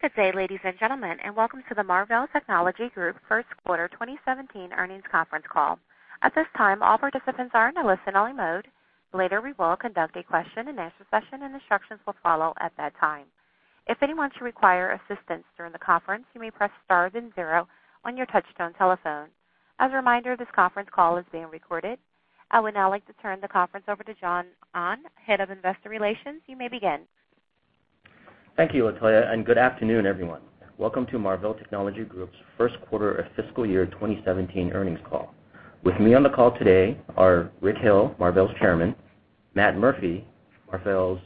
Good day, ladies and gentlemen. Welcome to the Marvell Technology Group first quarter 2017 earnings conference call. At this time, all participants are in a listen-only mode. Later, we will conduct a question-and-answer session. Instructions will follow at that time. If anyone should require assistance during the conference, you may press star then zero on your touch-tone telephone. As a reminder, this conference call is being recorded. I would now like to turn the conference over to John Ahn, Head of Investor Relations. You may begin. Thank you, Latoya. Good afternoon, everyone. Welcome to Marvell Technology Group's first quarter of fiscal year 2017 earnings call. With me on the call today are Rick Hill, Marvell's Chairman; Matt Murphy, Marvell's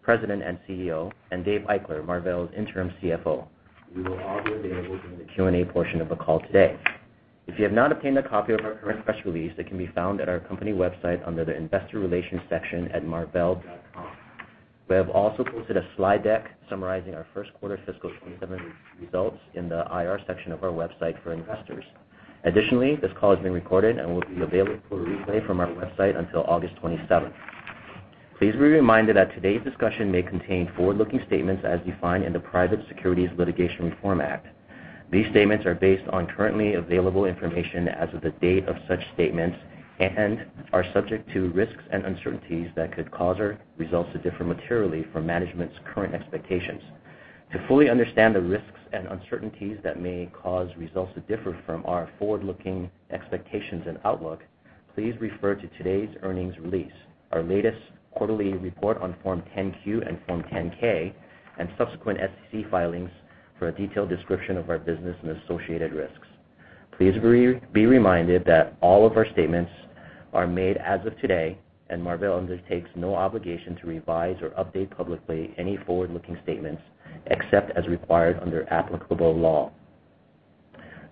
President and CEO; and David Eichler, Marvell's Interim CFO. We will all be available during the Q&A portion of the call today. If you have not obtained a copy of our current press release, it can be found at our company website under the Investor Relations section at marvell.com. We have also posted a slide deck summarizing our first quarter fiscal 2017 results in the IR section of our website for investors. Additionally, this call is being recorded and will be available for replay from our website until August 27th. Please be reminded that today's discussion may contain forward-looking statements as defined in the Private Securities Litigation Reform Act. These statements are based on currently available information as of the date of such statements and are subject to risks and uncertainties that could cause our results to differ materially from management's current expectations. To fully understand the risks and uncertainties that may cause results to differ from our forward-looking expectations and outlook, please refer to today's earnings release, our latest quarterly report on Form 10-Q and Form 10-K, and subsequent SEC filings for a detailed description of our business and associated risks. Please be reminded that all of our statements are made as of today. Marvell undertakes no obligation to revise or update publicly any forward-looking statements except as required under applicable law.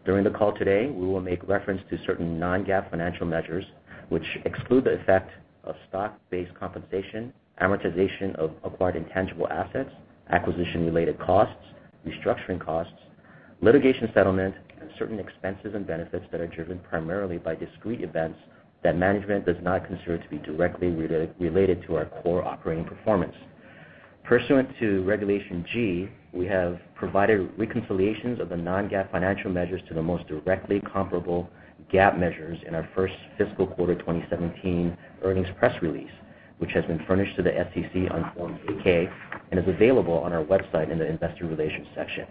During the call today, we will make reference to certain non-GAAP financial measures, which exclude the effect of stock-based compensation, amortization of acquired intangible assets, acquisition-related costs, restructuring costs, litigation settlement, and certain expenses and benefits that are driven primarily by discrete events that management does not consider to be directly related to our core operating performance. Pursuant to Regulation G, we have provided reconciliations of the non-GAAP financial measures to the most directly comparable GAAP measures in our first fiscal quarter 2017 earnings press release, which has been furnished to the SEC on Form 8-K and is available on our website in the Investor Relations section.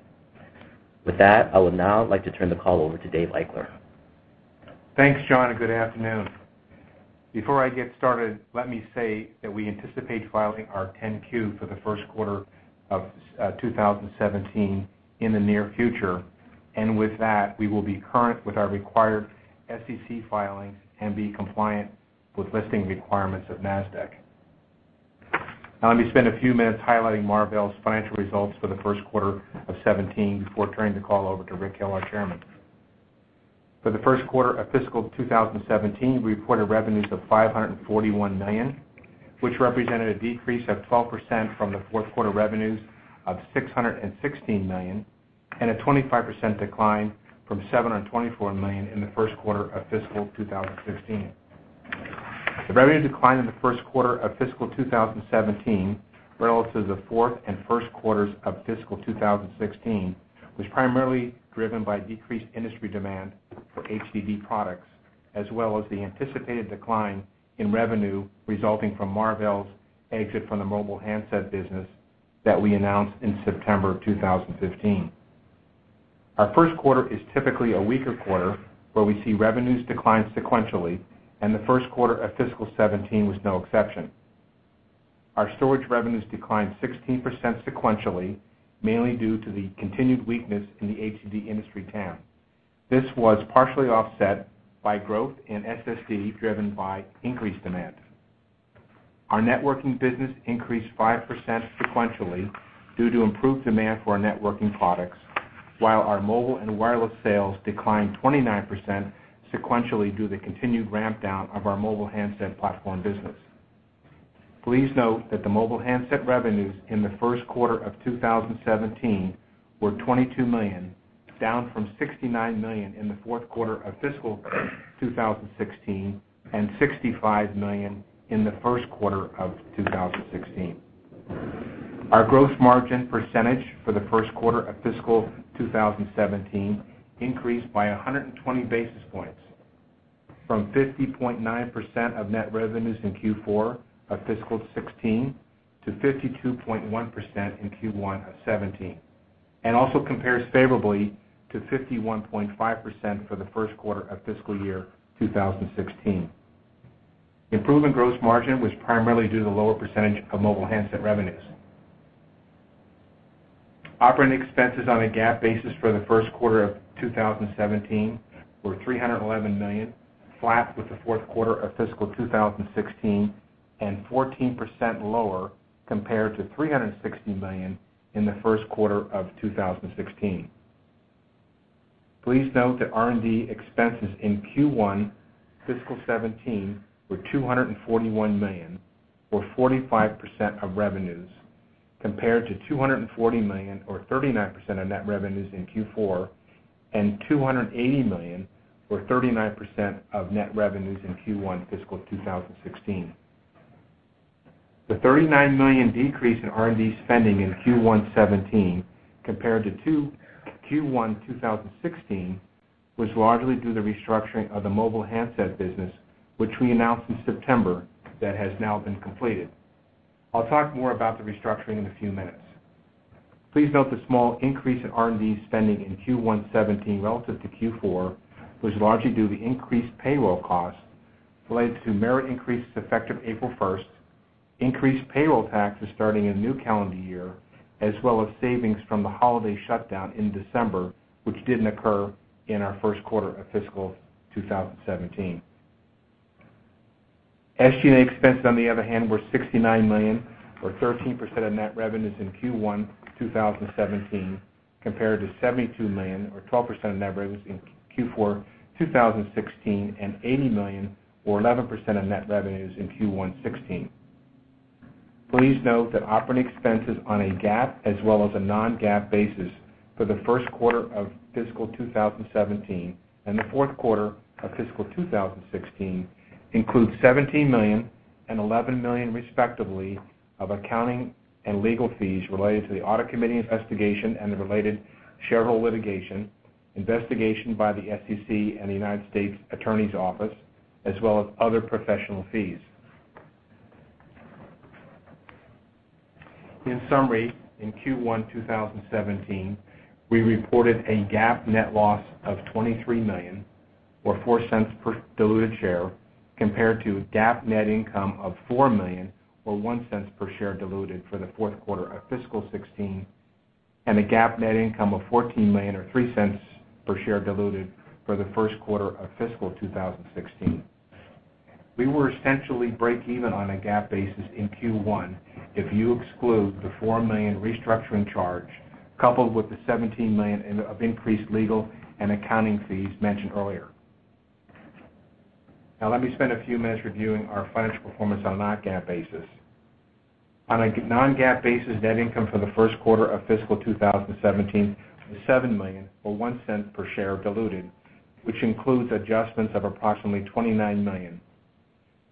With that, I would now like to turn the call over to David Eichler. Thanks, John, and good afternoon. Before I get started, let me say that we anticipate filing our Form 10-Q for the first quarter of 2017 in the near future. With that, we will be current with our required SEC filings and be compliant with listing requirements of Nasdaq. Let me spend a few minutes highlighting Marvell's financial results for the first quarter of 2017 before turning the call over to Rick Hill, our chairman. For the first quarter of fiscal 2017, we reported revenues of $541 million, which represented a decrease of 12% from the fourth quarter revenues of $616 million and a 25% decline from $724 million in the first quarter of fiscal 2016. The revenue decline in the first quarter of fiscal 2017 relative to the fourth and first quarters of fiscal 2016 was primarily driven by decreased industry demand for HDD products as well as the anticipated decline in revenue resulting from Marvell's exit from the mobile handset business that we announced in September of 2015. Our first quarter is typically a weaker quarter where we see revenues decline sequentially. The first quarter of fiscal 2017 was no exception. Our storage revenues declined 16% sequentially, mainly due to the continued weakness in the HDD industry TAM. This was partially offset by growth in SSD driven by increased demand. Our networking business increased 5% sequentially due to improved demand for our networking products, while our mobile and wireless sales declined 29% sequentially due to the continued ramp-down of our mobile handset platform business. Please note that the mobile handset revenues in the first quarter of 2017 were $22 million, down from $69 million in the fourth quarter of fiscal 2016 and $65 million in the first quarter of 2016. Our gross margin percentage for the first quarter of fiscal 2017 increased by 120 basis points from 50.9% of net revenues in Q4 of fiscal 2016 to 52.1% in Q1 of 2017, also compares favorably to 51.5% for the first quarter of fiscal year 2016. Improvement gross margin was primarily due to the lower percentage of mobile handset revenues. Operating expenses on a GAAP basis for the first quarter of 2017 were $311 million, flat with the fourth quarter of fiscal 2016 and 14% lower compared to $360 million in the first quarter of 2016. Please note that R&D expenses in Q1 fiscal 2017 were $241 million or 45% of revenues, compared to $240 million or 39% of net revenues in Q4 and $280 million or 39% of net revenues in Q1 fiscal 2016. The $39 million decrease in R&D spending in Q1 2017 compared to Q1 2016 was largely due to the restructuring of the mobile handset business, which we announced in September that has now been completed. I'll talk more about the restructuring in a few minutes. Please note the small increase in R&D spending in Q1 2017 relative to Q4, was largely due to the increased payroll costs related to merit increases effective April 1st, increased payroll taxes starting a new calendar year, as well as savings from the holiday shutdown in December, which didn't occur in our first quarter of fiscal 2017. SG&A expenses, on the other hand, were $69 million, or 13% of net revenues in Q1 2017, compared to $72 million or 12% of net revenues in Q4 2016, and $80 million or 11% of net revenues in Q1 2016. Please note that operating expenses on a GAAP as well as a non-GAAP basis for the first quarter of fiscal 2017 and the fourth quarter of fiscal 2016 include $17 million and $11 million, respectively, of accounting and legal fees related to the audit committee investigation and the related shareholder litigation, investigation by the SEC and the United States Attorney's Office, as well as other professional fees. In summary, in Q1 2017, we reported a GAAP net loss of $23 million, or $0.04 per diluted share, compared to GAAP net income of $4 million or $0.01 per share diluted for the fourth quarter of fiscal 2016, and a GAAP net income of $14 million or $0.03 per share diluted for the first quarter of fiscal 2016. We were essentially break even on a GAAP basis in Q1 if you exclude the $4 million restructuring charge coupled with the $17 million of increased legal and accounting fees mentioned earlier. Let me spend a few minutes reviewing our financial performance on a non-GAAP basis. On a non-GAAP basis, net income for the first quarter of fiscal 2017 was $7 million or $0.01 per share diluted, which includes adjustments of approximately $29 million,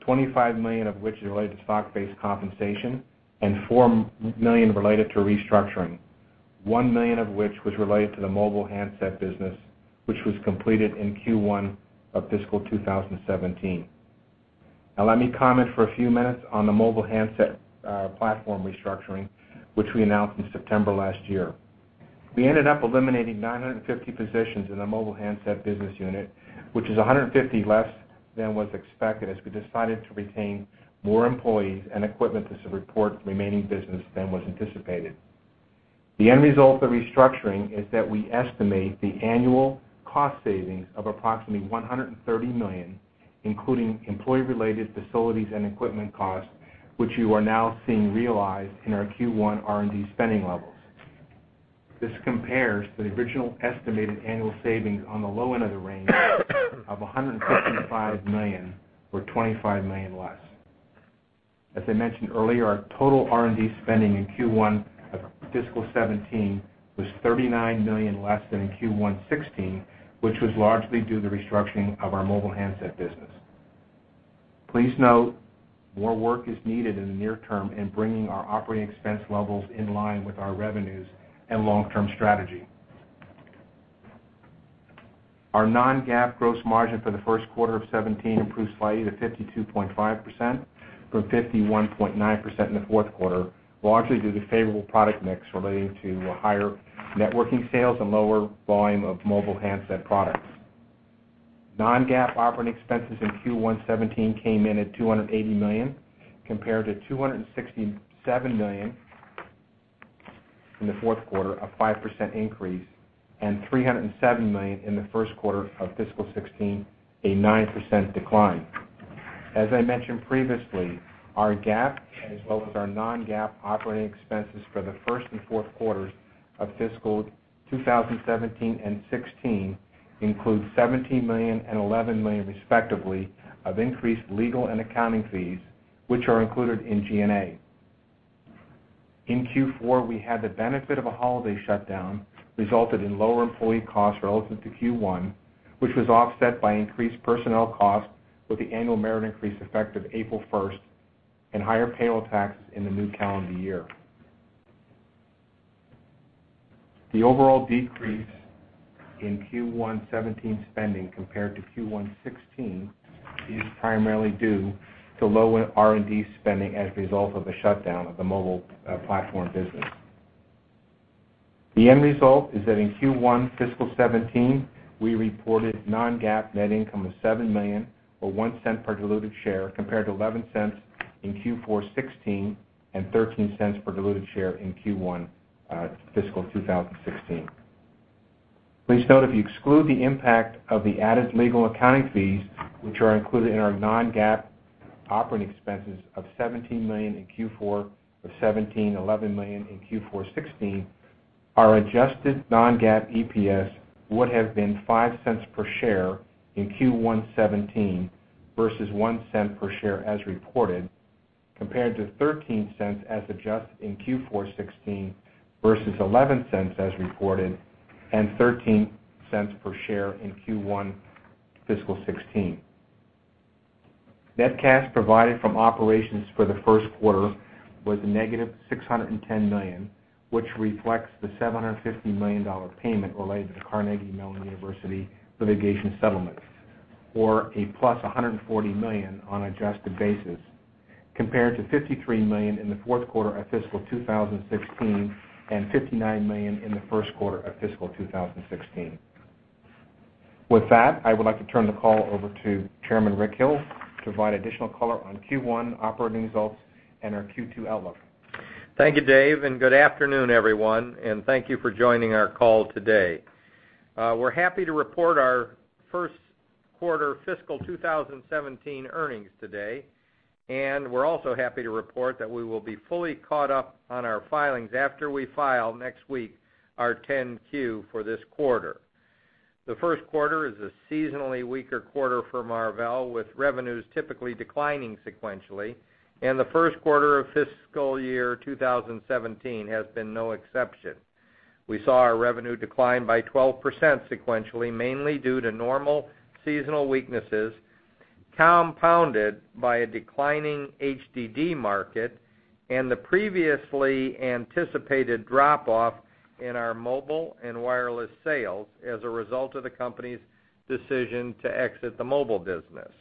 $25 million of which is related to stock-based compensation and $4 million related to restructuring, $1 million of which was related to the mobile handset business, which was completed in Q1 of fiscal 2017. Let me comment for a few minutes on the mobile handset platform restructuring, which we announced in September last year. We ended up eliminating 950 positions in the mobile handset business unit, which is 150 less than was expected, as we decided to retain more employees and equipment to support the remaining business than was anticipated. The end result of the restructuring is that we estimate the annual cost savings of approximately $130 million, including employee-related facilities and equipment costs, which you are now seeing realized in our Q1 R&D spending levels. This compares to the original estimated annual savings on the low end of the range of $165 million or $25 million less. As I mentioned earlier, our total R&D spending in Q1 of fiscal 2017 was $39 million less than in Q1 2016, which was largely due to the restructuring of our mobile handset business. Please note more work is needed in the near term in bringing our operating expense levels in line with our revenues and long-term strategy. Our non-GAAP gross margin for the first quarter of 2017 improved slightly to 52.5% from 51.9% in the fourth quarter, largely due to favorable product mix relating to higher networking sales and lower volume of mobile handset products. Non-GAAP operating expenses in Q1 2017 came in at $280 million, compared to $267 million in the fourth quarter, a 5% increase, and $307 million in the first quarter of fiscal 2016, a 9% decline. As I mentioned previously, our GAAP as well as our non-GAAP operating expenses for the first and fourth quarters of fiscal 2017 and 2016 include $17 million and $11 million, respectively, of increased legal and accounting fees, which are included in G&A. In Q4, we had the benefit of a holiday shutdown, resulted in lower employee costs relative to Q1, which was offset by increased personnel costs with the annual merit increase effective April 1st and higher payroll taxes in the new calendar year. The overall decrease in Q1 2017 spending compared to Q1 2016 is primarily due to lower R&D spending as a result of the shutdown of the mobile platform business. The end result is that in Q1 fiscal 2017, we reported non-GAAP net income of $7 million or $0.01 per diluted share, compared to $0.11 in Q4 2016 and $0.13 per diluted share in Q1 fiscal 2016. Please note if you exclude the impact of the added legal accounting fees, which are included in our non-GAAP operating expenses of $17 million in Q1 2017, $11 million in Q4 2016, our adjusted non-GAAP EPS would have been $0.05 per share in Q1 2017 versus $0.01 per share as reported, compared to $0.13 as adjusted in Q4 2016 versus $0.11 as reported, and $0.13 per share in Q1 fiscal 2016. Net cash provided from operations for the first quarter was -$610 million, which reflects the $750 million payment related to the Carnegie Mellon University litigation settlement, or a +$140 million on adjusted basis, compared to $53 million in the fourth quarter of fiscal 2016 and $59 million in the first quarter of fiscal 2016. With that, I would like to turn the call over to Chairman Rick Hill to provide additional color on Q1 operating results and our Q2 outlook. Thank you, Dave, and good afternoon, everyone, and thank you for joining our call today. We are happy to report our first quarter fiscal 2017 earnings today. We are also happy to report that we will be fully caught up on our filings after we file next week our Form 10-Q for this quarter. The first quarter is a seasonally weaker quarter for Marvell, with revenues typically declining sequentially, and the first quarter of fiscal year 2017 has been no exception. We saw our revenue decline by 12% sequentially, mainly due to normal seasonal weaknesses, compounded by a declining HDD market and the previously anticipated drop-off in our mobile and wireless sales as a result of the company's decision to exit the mobile business.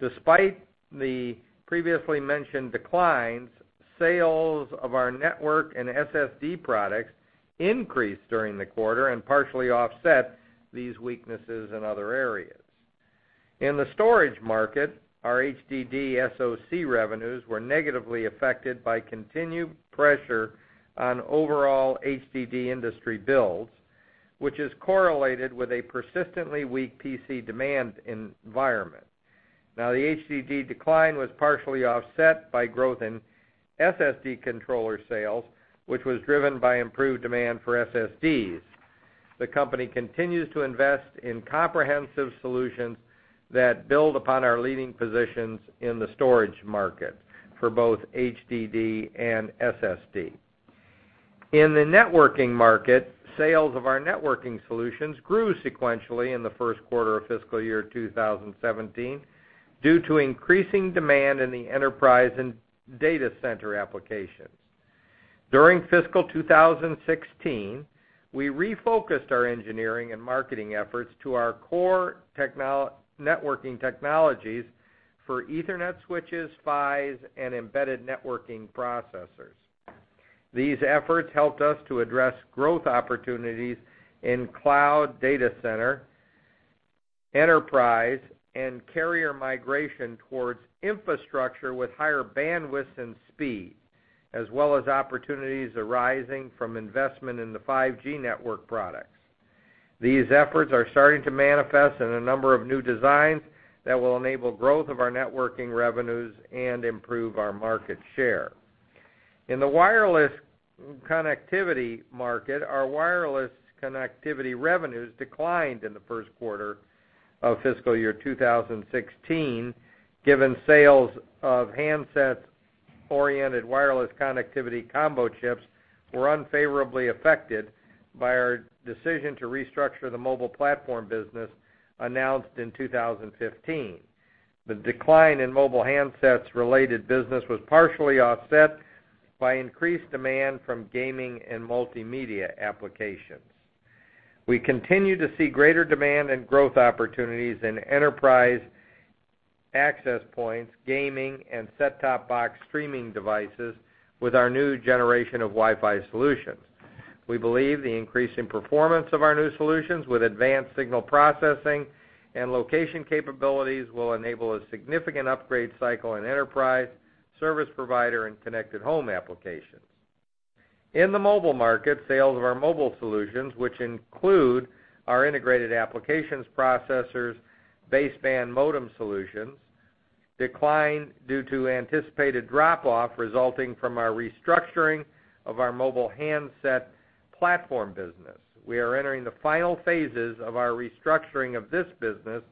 Despite the previously mentioned declines, sales of our network and SSD products increased during the quarter and partially offset these weaknesses in other areas. In the storage market, our HDD SoC revenues were negatively affected by continued pressure on overall HDD industry builds, which is correlated with a persistently weak PC demand environment. The HDD decline was partially offset by growth in SSD controller sales, which was driven by improved demand for SSDs. The company continues to invest in comprehensive solutions that build upon our leading positions in the storage market for both HDD and SSD. In the networking market, sales of our networking solutions grew sequentially in the first quarter of fiscal year 2017 due to increasing demand in the enterprise and data center applications. During fiscal 2016, we refocused our engineering and marketing efforts to our core networking technologies for Ethernet switches, PHYs, and embedded networking processors. These efforts helped us to address growth opportunities in cloud data center, enterprise, and carrier migration towards infrastructure with higher bandwidth and speed, as well as opportunities arising from investment in the 5G network products. These efforts are starting to manifest in a number of new designs that will enable growth of our networking revenues and improve our market share. In the wireless connectivity market, our wireless connectivity revenues declined in the first quarter of fiscal year 2016, given sales of handset-oriented wireless connectivity combo chips were unfavorably affected by our decision to restructure the mobile platform business announced in 2015. The decline in mobile handsets-related business was partially offset by increased demand from gaming and multimedia applications. We continue to see greater demand and growth opportunities in enterprise access points, gaming, and set-top box streaming devices with our new generation of Wi-Fi solutions. We believe the increase in performance of our new solutions with advanced signal processing and location capabilities will enable a significant upgrade cycle in enterprise, service provider, and connected home applications. In the mobile market, sales of our mobile solutions, which include our integrated applications processors, baseband modem solutions, declined due to anticipated drop-off resulting from our restructuring of our mobile handset platform business. We are entering the final phases of our restructuring of this business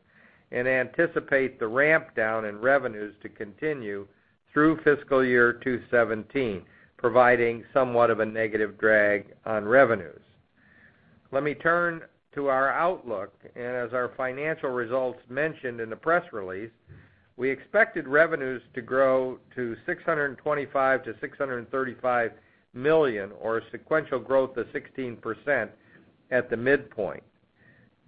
and anticipate the ramp down in revenues to continue through fiscal year 2017, providing somewhat of a negative drag on revenues. Let me turn to our outlook. As our financial results mentioned in the press release, we expected revenues to grow to $625 million-$635 million or a sequential growth of 16% at the midpoint.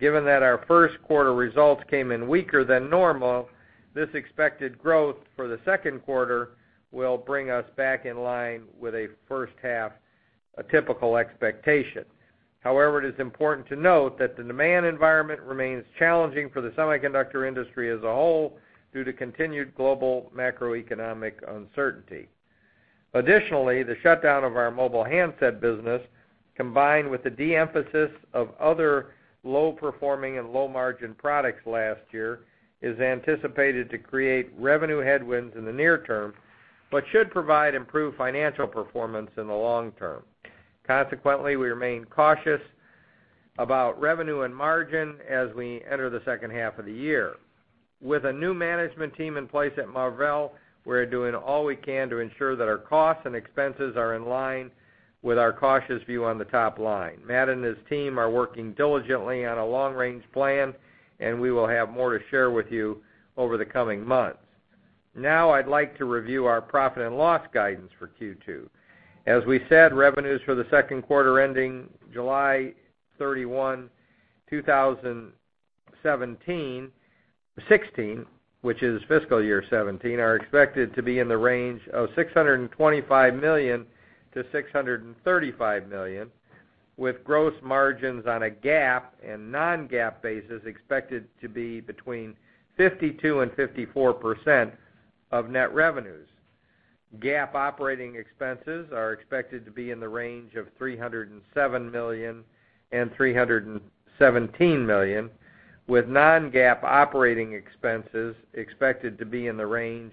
Given that our first quarter results came in weaker than normal, this expected growth for the second quarter will bring us back in line with a first half typical expectation. However, it is important to note that the demand environment remains challenging for the semiconductor industry as a whole due to continued global macroeconomic uncertainty. Additionally, the shutdown of our mobile handset business, combined with the de-emphasis of other low-performing and low-margin products last year, is anticipated to create revenue headwinds in the near term, but should provide improved financial performance in the long term. Consequently, we remain cautious about revenue and margin as we enter the second half of the year. With a new management team in place at Marvell, we're doing all we can to ensure that our costs and expenses are in line with our cautious view on the top line. Matt and his team are working diligently on a long-range plan, we will have more to share with you over the coming months. Now I'd like to review our profit and loss guidance for Q2. As we said, revenues for the second quarter ending July 31, 2016, which is fiscal year 2017, are expected to be in the range of $625 million-$635 million, with gross margins on a GAAP and non-GAAP basis expected to be between 52% and 54% of net revenues. GAAP operating expenses are expected to be in the range of $307 million-$317 million, with non-GAAP operating expenses expected to be in the range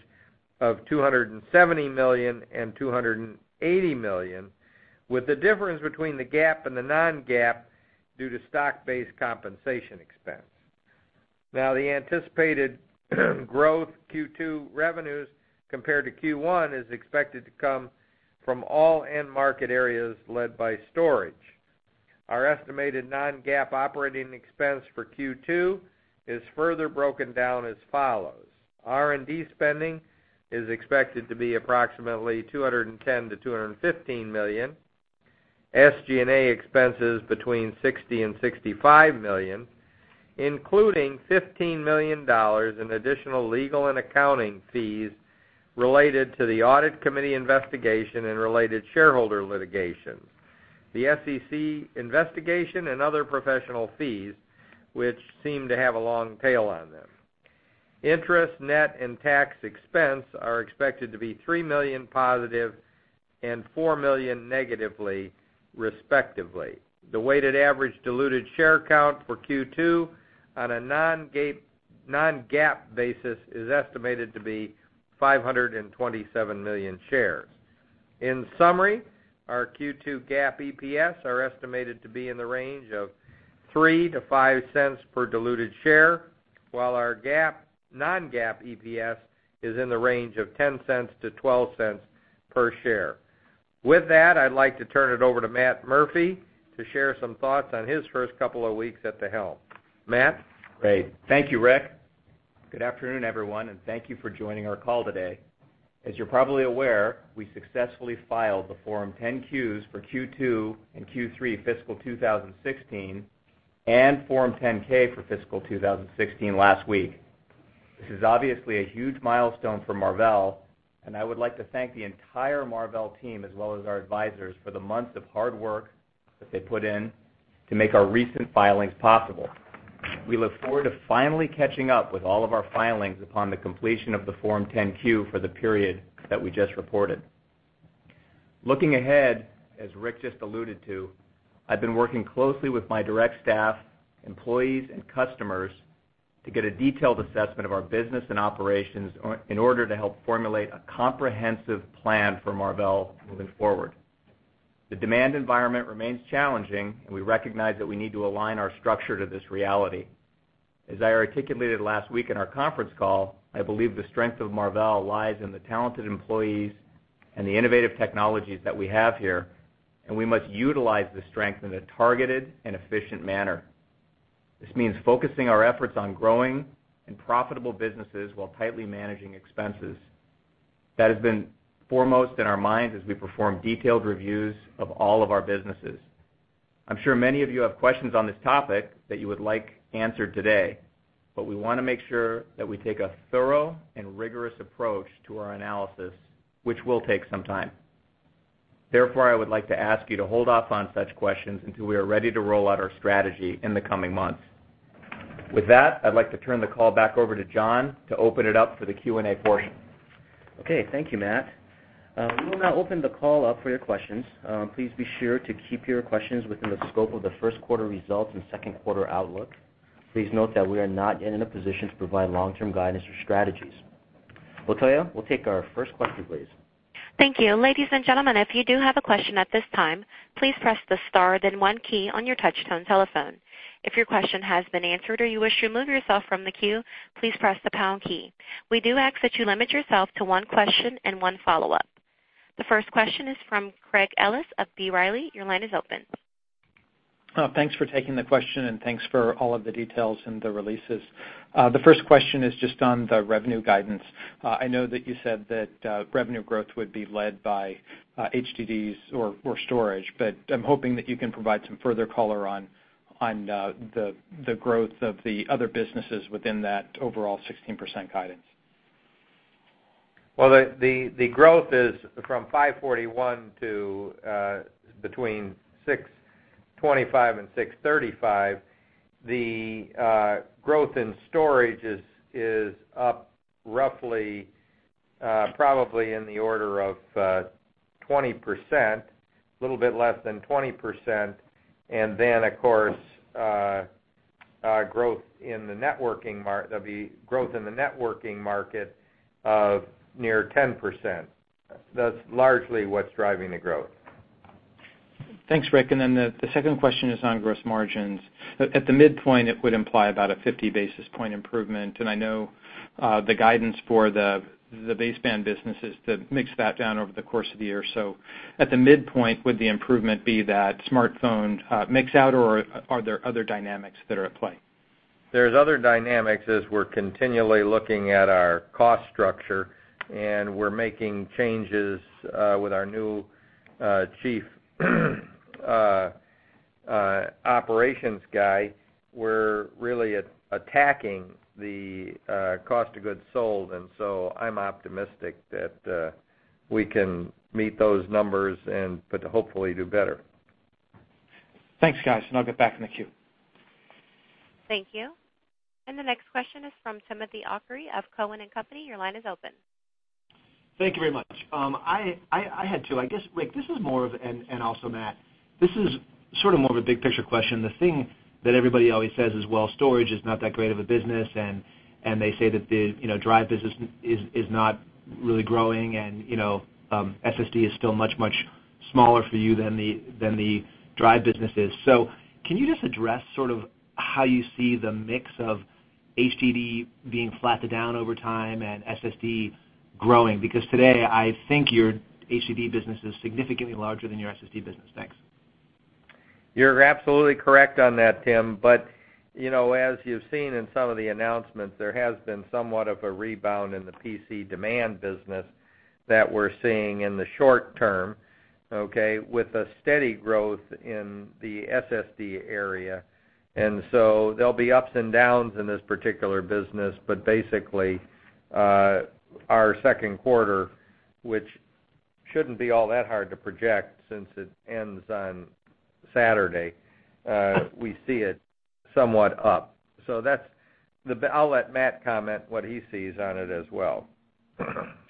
of $270 million-$280 million, with the difference between the GAAP and the non-GAAP due to stock-based compensation expense. The anticipated growth Q2 revenues compared to Q1 is expected to come from all end market areas led by storage. Our estimated non-GAAP operating expense for Q2 is further broken down as follows: R&D spending is expected to be approximately $210 million-$215 million, SG&A expenses between $60 million and $65 million, including $15 million in additional legal and accounting fees related to the audit committee investigation and related shareholder litigation. The SEC investigation and other professional fees, which seem to have a long tail on them. Interest net and tax expense are expected to be $3 million positive and -$4 million negatively, respectively. The weighted average diluted share count for Q2 on a non-GAAP basis is estimated to be 527 million shares. In summary, our Q2 GAAP EPS are estimated to be in the range of $0.03-$0.05 per diluted share, while our non-GAAP EPS is in the range of $0.10-$0.12 per share. With that, I'd like to turn it over to Matt Murphy to share some thoughts on his first couple of weeks at the helm. Matt? Great. Thank you, Rick. Good afternoon, everyone, and thank you for joining our call today. As you're probably aware, we successfully filed the Form 10-Qs for Q2 and Q3 fiscal 2016 and Form 10-K for fiscal 2016 last week. This is obviously a huge milestone for Marvell, and I would like to thank the entire Marvell team as well as our advisors for the months of hard work that they put in to make our recent filings possible. We look forward to finally catching up with all of our filings upon the completion of the Form 10-Q for the period that we just reported. Looking ahead, as Rick just alluded to, I've been working closely with my direct staff, employees, and customers to get a detailed assessment of our business and operations in order to help formulate a comprehensive plan for Marvell moving forward. The demand environment remains challenging. We recognize that we need to align our structure to this reality. As I articulated last week in our conference call, I believe the strength of Marvell lies in the talented employees and the innovative technologies that we have here. We must utilize this strength in a targeted and efficient manner. This means focusing our efforts on growing and profitable businesses while tightly managing expenses. That has been foremost in our minds as we perform detailed reviews of all of our businesses. I'm sure many of you have questions on this topic that you would like answered today, but we want to make sure that we take a thorough and rigorous approach to our analysis, which will take some time. Therefore, I would like to ask you to hold off on such questions until we are ready to roll out our strategy in the coming months. With that, I'd like to turn the call back over to John to open it up for the Q&A portion. Okay. Thank you, Matt. We will now open the call up for your questions. Please be sure to keep your questions within the scope of the first quarter results and second quarter outlook. Please note that we are not yet in a position to provide long-term guidance or strategies. Latoya, we'll take our first question, please. Thank you. Ladies and gentlemen, if you do have a question at this time, please press the star then one key on your touch tone telephone. If your question has been answered or you wish to remove yourself from the queue, please press the pound key. We do ask that you limit yourself to one question and one follow-up. The first question is from Craig Ellis of B. Riley. Your line is open. Thanks for taking the question and thanks for all of the details in the releases. The first question is just on the revenue guidance. I know that you said that revenue growth would be led by HDDs or storage, I'm hoping that you can provide some further color on the growth of the other businesses within that overall 16% guidance. Well, the growth is from $541 to between $625 and $635. The growth in storage is up roughly probably in the order of 20%, a little bit less than 20%, of course, there'll be growth in the networking market of near 10%. That's largely what's driving the growth. Thanks, Rick. The second question is on gross margins. At the midpoint, it would imply about a 50-basis-point improvement, I know the guidance for the baseband business is to mix that down over the course of the year. At the midpoint, would the improvement be that smartphone mix out, or are there other dynamics that are at play? There's other dynamics as we're continually looking at our cost structure, and we're making changes with our new Chief Operations Guy. We're really attacking the cost of goods sold. So I'm optimistic that we can meet those numbers and hopefully do better. Thanks, guys. I'll get back in the queue. Thank you. The next question is from Timothy Arcuri of Cowen and Company. Your line is open. Thank you very much. I had two. I guess, Rick, this is more of, and also Matt, this is sort of more of a big-picture question. The thing that everybody always says is, well, storage is not that great of a business. They say that the drive business is not really growing, and SSD is still much, much smaller for you than the drive business is. Can you just address sort of how you see the mix of HDD being flat to down over time and SSD growing? Today, I think your HDD business is significantly larger than your SSD business. Thanks. You're absolutely correct on that, Tim. As you've seen in some of the announcements, there has been somewhat of a rebound in the PC demand business that we're seeing in the short term, okay, with a steady growth in the SSD area. There'll be ups and downs in this particular business, but basically, our second quarter, which shouldn't be all that hard to project since it ends on Saturday, we see it somewhat up. I'll let Matt comment what he sees on it as well.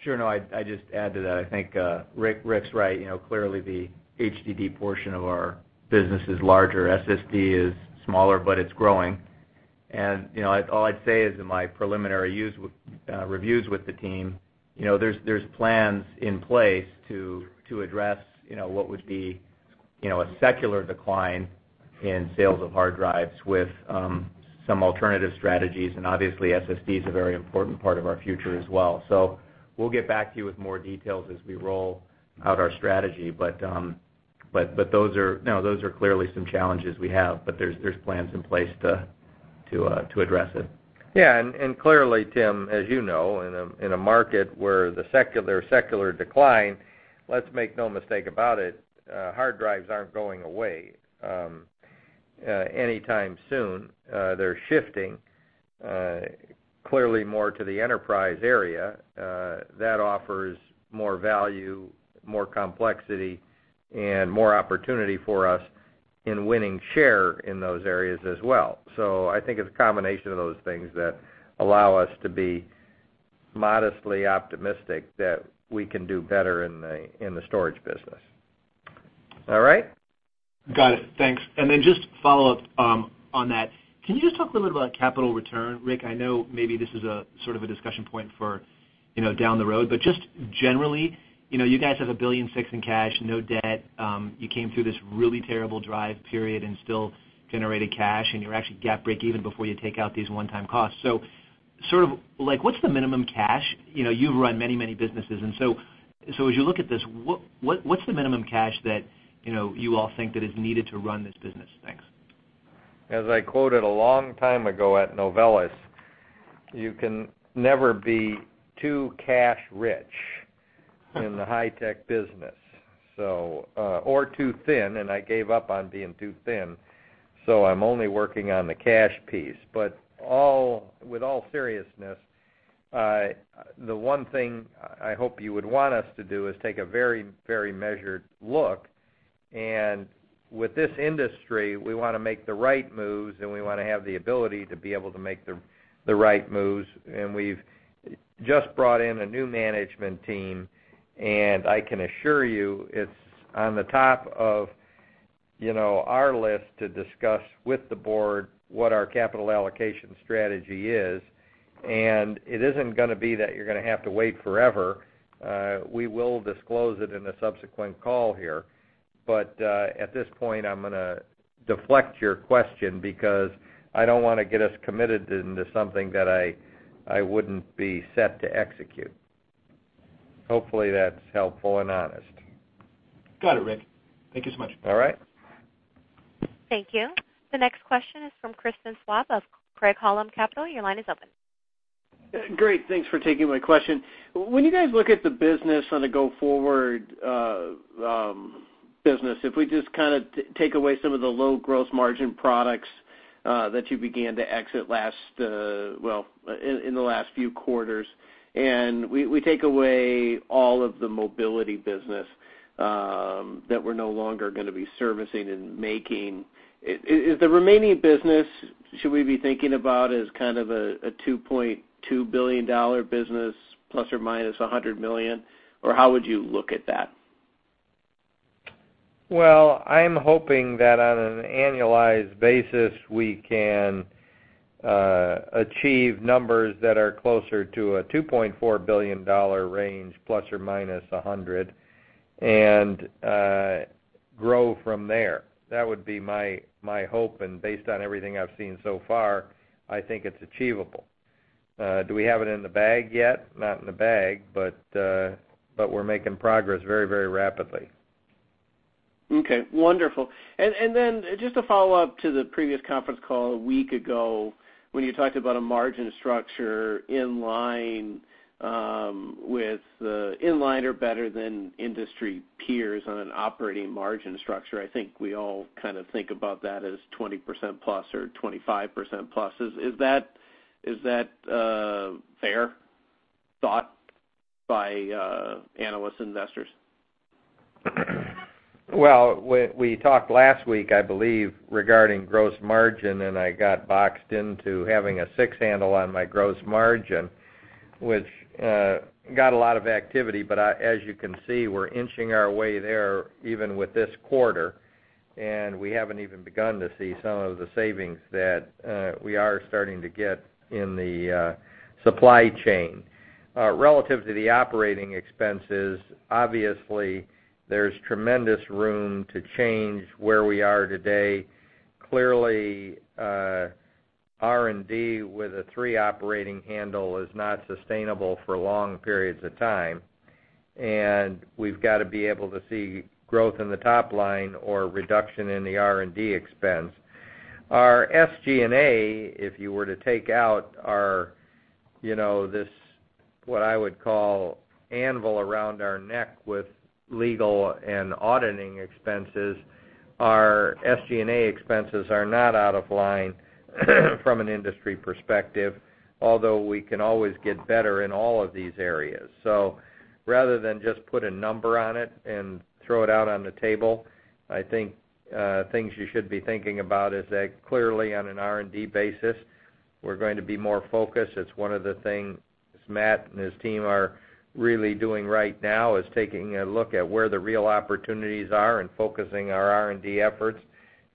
Sure. No, I'd just add to that. I think Rick's right. Clearly the HDD portion of our business is larger. SSD is smaller, but it's growing. All I'd say is in my preliminary reviews with the team, there's plans in place to address what would be a secular decline in sales of hard drives with some alternative strategies, and obviously SSD is a very important part of our future as well. We'll get back to you with more details as we roll out our strategy, but those are clearly some challenges we have, but there's plans in place to address it. Clearly, Tim, as you know, in a market where there's secular decline, let's make no mistake about it, hard drives aren't going away anytime soon. They're shifting clearly more to the enterprise area. That offers more value, more complexity, and more opportunity for us in winning share in those areas as well. I think it's a combination of those things that allow us to be modestly optimistic that we can do better in the storage business. All right? Got it. Thanks. Just follow up on that, can you just talk a little about capital return, Rick? I know maybe this is sort of a discussion point for down the road, but just generally, you guys have $1.6 billion in cash, no debt. You came through this really terrible drive period and still generated cash, and you're actually GAAP break even before you take out these one-time costs. What's the minimum cash? You've run many businesses, as you look at this, what's the minimum cash that you all think that is needed to run this business? Thanks. As I quoted a long time ago at Novellus, you can never be too cash rich in the high-tech business, or too thin, and I gave up on being too thin, so I'm only working on the cash piece. With all seriousness, the one thing I hope you would want us to do is take a very measured look. With this industry, we want to make the right moves, and we want to have the ability to be able to make the right moves. We've just brought in a new management team, and I can assure you, it's on the top of our list to discuss with the board what our capital allocation strategy is, and it isn't going to be that you're going to have to wait forever. We will disclose it in a subsequent call here. At this point, I'm going to deflect your question because I don't want to get us committed into something that I wouldn't be set to execute. Hopefully, that's helpful and honest. Got it, Rick. Thank you so much. All right. Thank you. The next question is from Christian Schwab of Craig-Hallum Capital. Your line is open. Great. Thanks for taking my question. When you guys look at the business on a go-forward business, if we just kind of take away some of the low gross margin products that you began to exit in the last few quarters, and we take away all of the mobility business that we're no longer going to be servicing and making, is the remaining business, should we be thinking about as kind of a $2.2 billion business ±$100 million? Or how would you look at that? Well, I'm hoping that on an annualized basis, we can achieve numbers that are closer to a $2.4 billion range, ±$100 million, and grow from there. That would be my hope, and based on everything I've seen so far, I think it's achievable. Do we have it in the bag yet? Not in the bag, but we're making progress very rapidly. Okay, wonderful. Just a follow-up to the previous conference call one week ago when you talked about a margin structure in line or better than industry peers on an operating margin structure. I think we all kind of think about that as 20%+ or 25%+. Is that a fair thought by analyst investors? We talked last week, I believe, regarding gross margin. I got boxed into having a six handle on my gross margin, which got a lot of activity. As you can see, we're inching our way there even with this quarter. We haven't even begun to see some of the savings that we are starting to get in the supply chain. Relative to the operating expenses, obviously, there's tremendous room to change where we are today. Clearly, R&D with a three operating handle is not sustainable for long periods of time. We've got to be able to see growth in the top line or reduction in the R&D expense. Our SG&A, if you were to take out this, what I would call, anvil around our neck with legal and auditing expenses, our SG&A expenses are not out of line from an industry perspective, although we can always get better in all of these areas. Rather than just put a number on it and throw it out on the table, I think things you should be thinking about is that clearly on an R&D basis, we're going to be more focused. It's one of the things Matt and his team are really doing right now is taking a look at where the real opportunities are and focusing our R&D efforts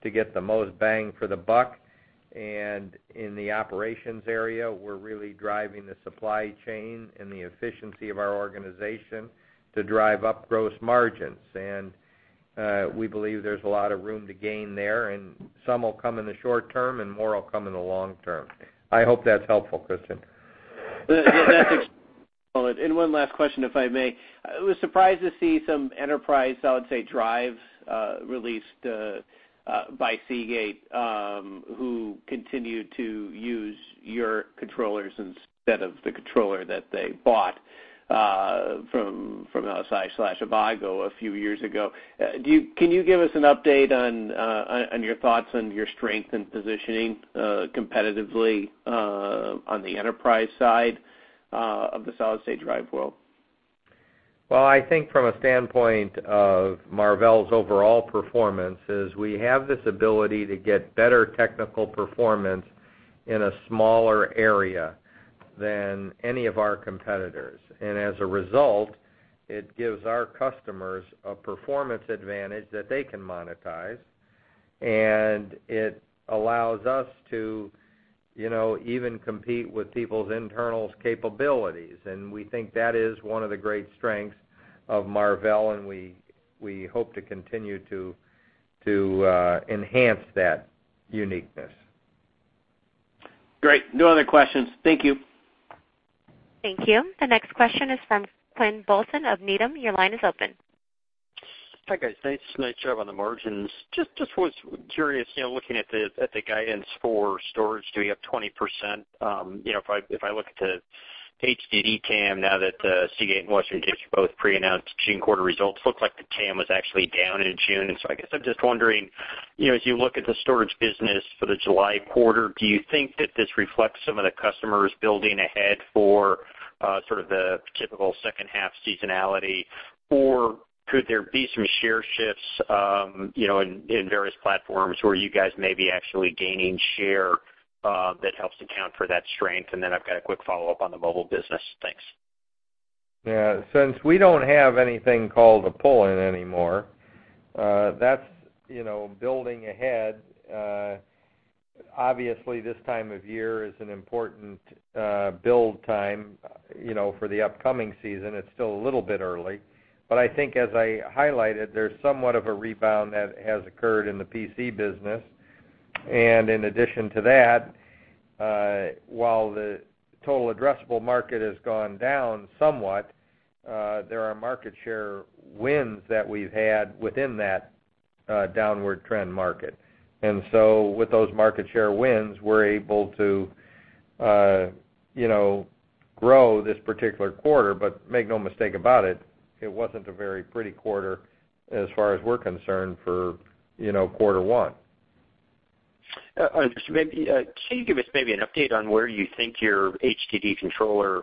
to get the most bang for the buck. In the operations area, we're really driving the supply chain and the efficiency of our organization to drive up gross margins. We believe there's a lot of room to gain there. Some will come in the short term and more will come in the long term. I hope that's helpful, Christian. That's excellent. One last question, if I may. I was surprised to see some enterprise, solid state drives released by Seagate, who continued to use your controllers instead of the controller that they bought from LSI/Avago a few years ago. Can you give us an update on your thoughts on your strength and positioning competitively on the enterprise side of the solid state drive world? Well, I think from a standpoint of Marvell's overall performance is we have this ability to get better technical performance in a smaller area than any of our competitors. As a result, it gives our customers a performance advantage that they can monetize, and it allows us to even compete with people's internals capabilities. We think that is one of the great strengths of Marvell, and we hope to continue to enhance that uniqueness. Great. No other questions. Thank you. Thank you. The next question is from Quinn Bolton of Needham. Your line is open. Hi, guys. Nice job on the margins. Just was curious, looking at the guidance for storage, doing up 20%. If I look at the HDD TAM now that Seagate and Western Digital both pre-announced June quarter results, looked like the TAM was actually down in June. So I guess I'm just wondering, as you look at the storage business for the July quarter, do you think that this reflects some of the customers building ahead for sort of the typical second half seasonality, or could there be some share shifts in various platforms where you guys may be actually gaining share that helps account for that strength? Then I've got a quick follow-up on the mobile business. Thanks. Yeah. Since we don't have anything called a pull-in anymore, that's building ahead. Obviously, this time of year is an important build time for the upcoming season. It's still a little bit early, but I think as I highlighted, there's somewhat of a rebound that has occurred in the PC business. In addition to that, while the total addressable market has gone down somewhat, there are market share wins that we've had within that downward trend market. With those market share wins, we're able to grow this particular quarter, but make no mistake about it wasn't a very pretty quarter as far as we're concerned for quarter one. Can you give us maybe an update on where you think your HDD controller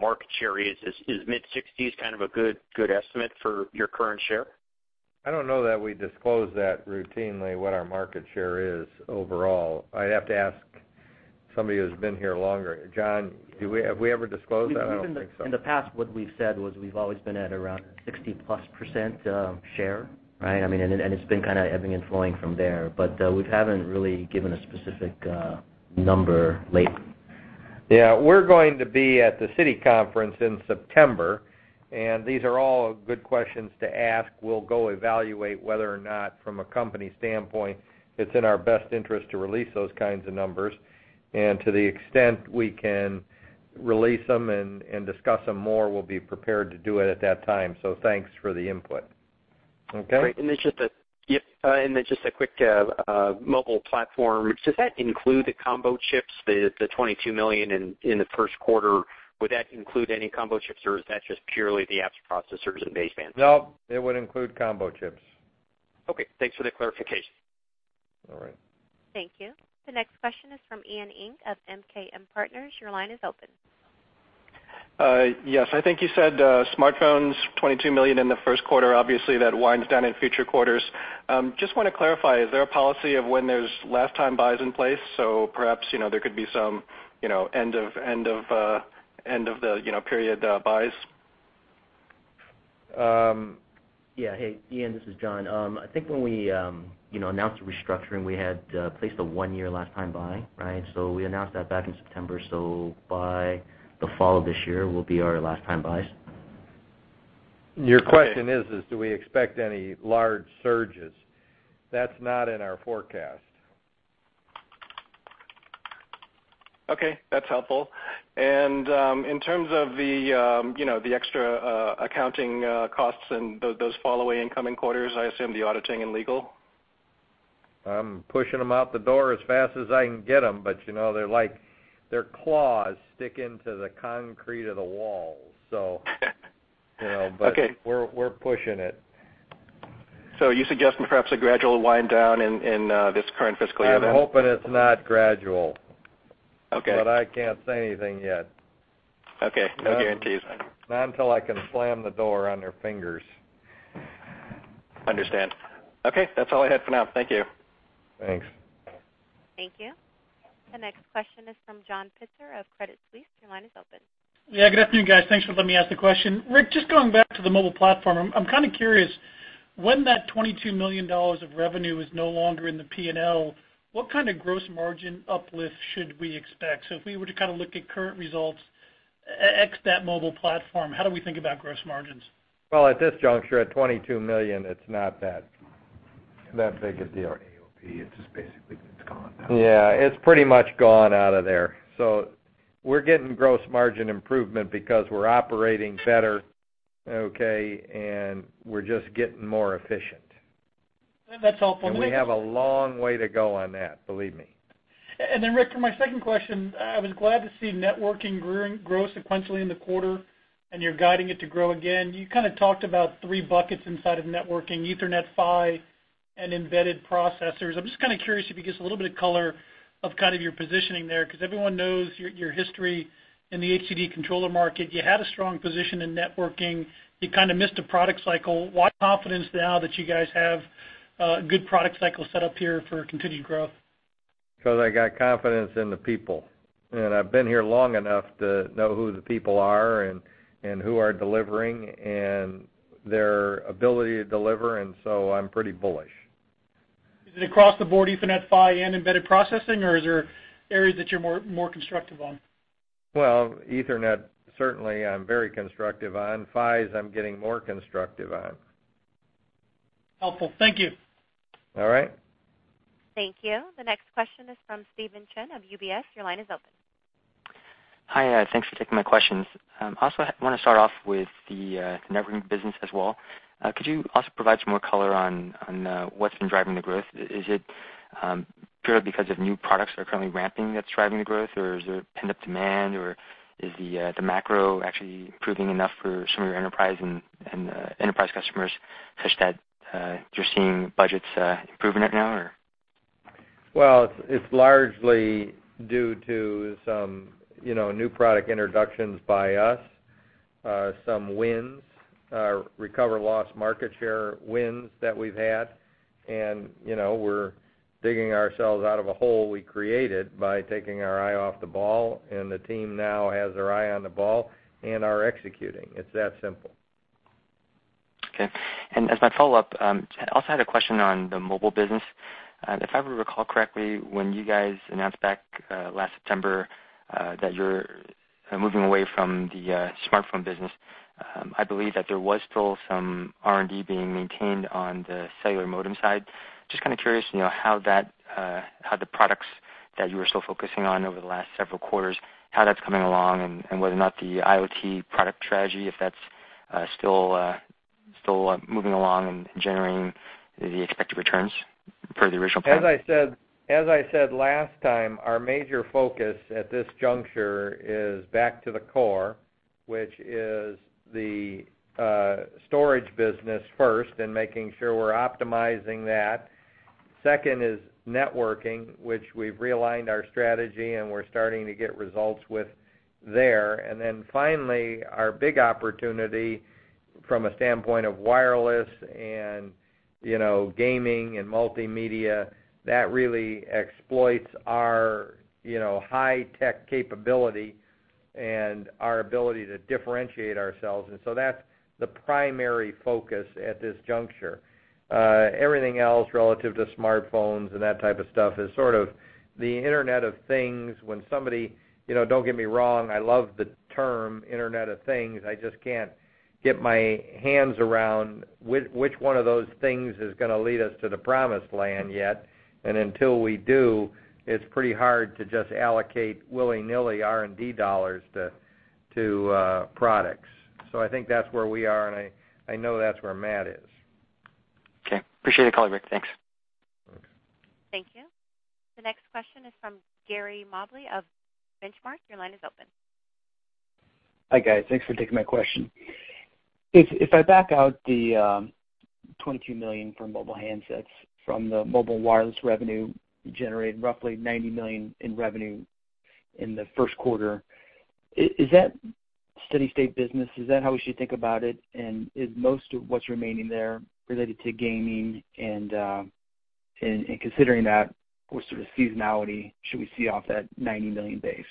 market share is? Is mid-60s kind of a good estimate for your current share? I don't know that we disclose that routinely, what our market share is overall. I'd have to ask somebody who's been here longer. John, have we ever disclosed that? I don't think so. In the past, what we've said was we've always been at around 60-plus % share, right? It's been kind of ebbing and flowing from there. We haven't really given a specific number lately. We're going to be at the Citi conference in September. These are all good questions to ask. We'll go evaluate whether or not, from a company standpoint, it's in our best interest to release those kinds of numbers. To the extent we can release them and discuss them more, we'll be prepared to do it at that time. Thanks for the input. Okay? Great. Just a quick mobile platform. Does that include the combo chips, the $22 million in the first quarter, would that include any combo chips, or is that just purely the apps processors and baseband? No, it would include combo chips. Okay. Thanks for the clarification. All right. Thank you. The next question is from Ian Ing of MKM Partners. Your line is open. Yes. I think you said smartphones, $22 million in the first quarter. Obviously, that winds down in future quarters. Just want to clarify, is there a policy of when there's last-time buys in place? Perhaps, there could be some end of the period buys. Yeah. Hey, Ian, this is John. I think when we announced the restructuring, we had placed a one-year last-time buy, right? We announced that back in September, so by the fall of this year will be our last-time buys. Your question is, do we expect any large surges? That's not in our forecast. Okay. That's helpful. In terms of the extra accounting costs and those fall away in coming quarters, I assume the auditing and legal? I'm pushing them out the door as fast as I can get them, but they're like their claws stick into the concrete of the walls. Okay. We're pushing it. You're suggesting perhaps a gradual wind down in this current fiscal year then? I'm hoping it's not gradual. Okay. I can't say anything yet. Okay. No guarantees. Not until I can slam the door on their fingers. Understand. Okay. That's all I had for now. Thank you. Thanks. Thank you. The next question is from John Pitzer of Credit Suisse. Your line is open. Good afternoon, guys. Thanks for letting me ask the question. Rick, just going back to the mobile platform. I'm kind of curious, when that $22 million of revenue is no longer in the P&L, what kind of gross margin uplift should we expect? If we were to kind of look at current results, X that mobile platform, how do we think about gross margins? Well, at this juncture, at $22 million, it's not that big a deal. It's just basically, it's gone now. Yeah, it's pretty much gone out of there. We're getting gross margin improvement because we're operating better, okay? We're just getting more efficient. That's helpful. We have a long way to go on that, believe me. Rick, for my second question, I was glad to see networking grow sequentially in the quarter, and you're guiding it to grow again. You kind of talked about three buckets inside of networking, Ethernet, PHY, and embedded processors. I'm just kind of curious if you could give us a little bit of color of your positioning there, because everyone knows your history in the HDD controller market. You had a strong position in networking. You kind of missed a product cycle. Why confidence now that you guys have a good product cycle set up here for continued growth? I got confidence in the people, I've been here long enough to know who the people are and who are delivering and their ability to deliver, I'm pretty bullish. Is it across the board, Ethernet, PHY, and embedded processing, or are there areas that you're more constructive on? Well, Ethernet, certainly, I'm very constructive on. PHYs I'm getting more constructive on. Helpful. Thank you. All right. Thank you. The next question is from Steven Chen of UBS. Your line is open. Hi, thanks for taking my questions. I want to start off with the networking business as well. Could you also provide some more color on what's been driving the growth? Is it purely because of new products that are currently ramping that's driving the growth, or is there pent-up demand, or is the macro actually improving enough for some of your enterprise customers such that you're seeing budgets improving right now, or? Well, it's largely due to some new product introductions by us, some wins, recover lost market share wins that we've had, and we're digging ourselves out of a hole we created by taking our eye off the ball, and the team now has their eye on the ball and are executing. It's that simple. Okay. As my follow-up, I also had a question on the mobile business. If I recall correctly, when you guys announced back last September that you're moving away from the smartphone business, I believe that there was still some R&D being maintained on the cellular modem side. Just kind of curious how the products that you were still focusing on over the last several quarters, how that's coming along and whether or not the IoT product strategy, if that's still moving along and generating the expected returns for the original plan. As I said last time, our major focus at this juncture is back to the core, which is the storage business first and making sure we're optimizing that. Second is networking, which we've realigned our strategy, and we're starting to get results with there. Finally, our big opportunity from a standpoint of wireless and gaming and multimedia, that really exploits our high-tech capability and our ability to differentiate ourselves, and so that's the primary focus at this juncture. Everything else relative to smartphones and that type of stuff is sort of the Internet of Things. Don't get me wrong, I love the term Internet of Things, I just can't get my hands around which one of those things is going to lead us to the promised land yet. Until we do, it's pretty hard to just allocate willy-nilly R&D dollars to products. I think that's where we are, and I know that's where Matt is. Okay. Appreciate the call, Rick. Thanks. Thank you. The next question is from Gary Mobley of Benchmark. Your line is open. Hi, guys. Thanks for taking my question. If I back out the $22 million from mobile handsets from the mobile wireless revenue, you generated roughly $90 million in revenue in the first quarter. Is that steady state business? Is that how we should think about it? Is most of what's remaining there related to gaming? Considering that, what sort of seasonality should we see off that $90 million base?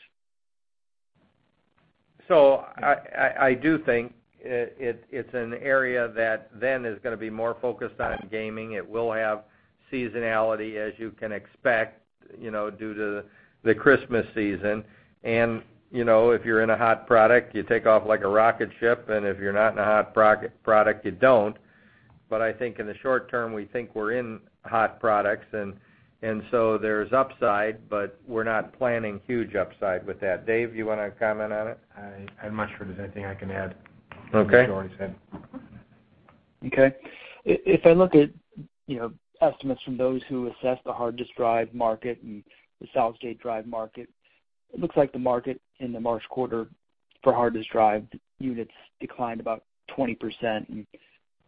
I do think it's an area that then is going to be more focused on gaming. It will have seasonality as you can expect due to the Christmas season. If you're in a hot product, you take off like a rocket ship, and if you're not in a hot product, you don't. I think in the short term, we think we're in hot products, and so there's upside, but we're not planning huge upside with that. Dave, you want to comment on it? I'm not sure there's anything I can add- Okay to what he's already said. Okay. If I look at estimates from those who assess the hard disk drive market and the solid-state drive market, it looks like the market in the March quarter for hard disk drive units declined about 20%, and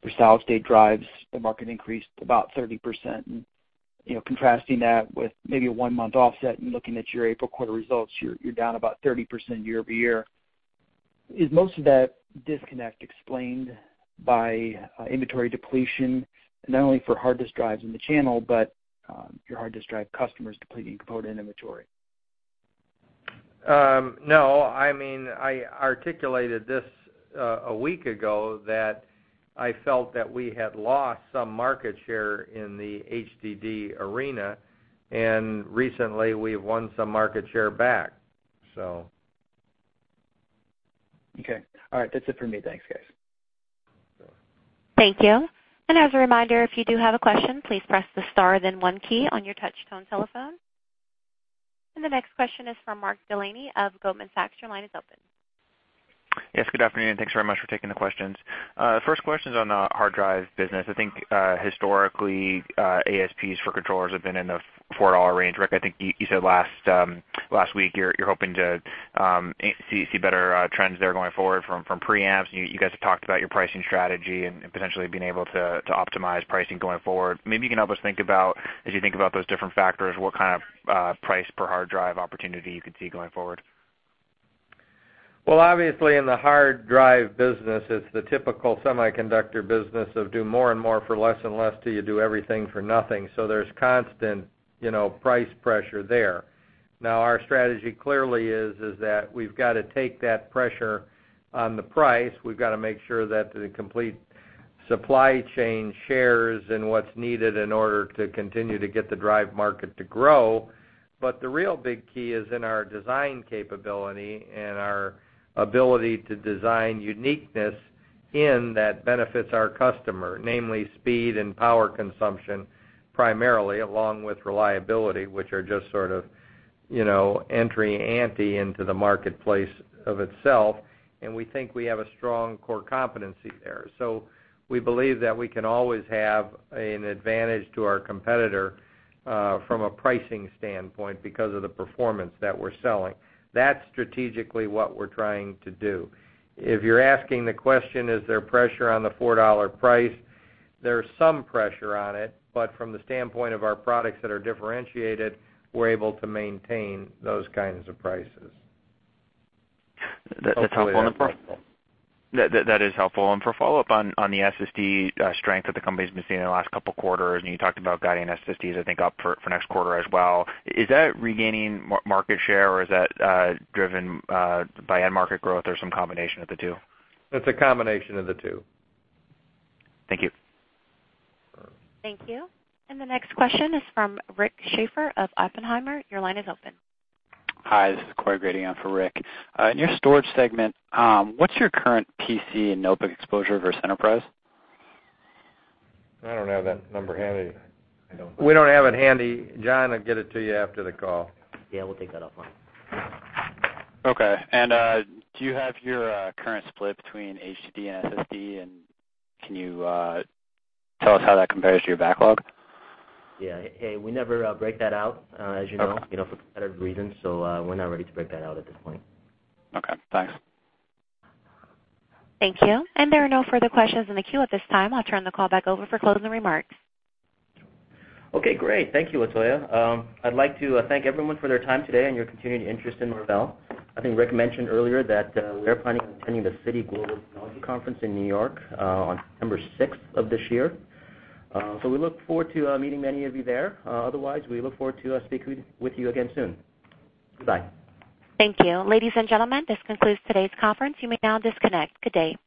for solid-state drives, the market increased about 30%. Contrasting that with maybe a one-month offset and looking at your April quarter results, you're down about 30% year-over-year. Is most of that disconnect explained by inventory depletion, not only for hard disk drives in the channel, but your hard disk drive customers depleting component inventory? No. I articulated this a week ago, that I felt that we had lost some market share in the HDD arena, and recently we've won some market share back. Okay. All right, that's it for me. Thanks, guys. Thank you. As a reminder, if you do have a question, please press the star then one key on your touch tone telephone. The next question is from Mark Delaney of Goldman Sachs. Your line is open. Yes, good afternoon. Thanks very much for taking the questions. First question is on the hard drive business. I think historically, ASPs for controllers have been in the $4 range. Rick, I think you said last week you're hoping to see better trends there going forward from preamps, and you guys have talked about your pricing strategy and potentially being able to optimize pricing going forward. Maybe you can help us think about, as you think about those different factors, what kind of price per hard drive opportunity you could see going forward. Well, obviously in the hard drive business, it's the typical semiconductor business of do more and more for less and less till you do everything for nothing. There's constant price pressure there. Now, our strategy clearly is that we've got to take that pressure on the price. We've got to make sure that the complete supply chain shares in what's needed in order to continue to get the drive market to grow. The real big key is in our design capability and our ability to design uniqueness in that benefits our customer, namely speed and power consumption primarily, along with reliability, which are just sort of entry ante into the marketplace of itself, and we think we have a strong core competency there. We believe that we can always have an advantage to our competitor from a pricing standpoint because of the performance that we're selling. That's strategically what we're trying to do. If you're asking the question, is there pressure on the $4 price? There's some pressure on it, from the standpoint of our products that are differentiated, we're able to maintain those kinds of prices. That's helpful. Hopefully that answers your question. That is helpful. For follow-up on the SSD strength that the company's been seeing in the last couple of quarters, and you talked about guiding SSDs, I think, up for next quarter as well. Is that regaining market share, or is that driven by end market growth or some combination of the two? It's a combination of the two. Thank you. Thank you. The next question is from Rick Schafer of Oppenheimer. Your line is open. Hi, this is Corey Grady on for Rick. In your storage segment, what's your current PC and notebook exposure versus enterprise? I don't have that number handy. I don't. We don't have it handy. John, I'll get it to you after the call. Yeah, we'll take that offline. Okay. Do you have your current split between HDD and SSD, and can you tell us how that compares to your backlog? Yeah. Hey, we never break that out, as you know. Okay For competitive reasons. We're not ready to break that out at this point. Okay, thanks. Thank you. There are no further questions in the queue at this time. I'll turn the call back over for closing remarks. Okay, great. Thank you, Latoya. I'd like to thank everyone for their time today and your continued interest in Marvell. I think Rick mentioned earlier that we are planning on attending the Citi Global Technology Conference in New York on September 6th of this year. We look forward to meeting many of you there. Otherwise, we look forward to speaking with you again soon. Goodbye. Thank you. Ladies and gentlemen, this concludes today's conference. You may now disconnect. Good day.